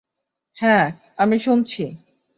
হ্যা, আমি শুনছি।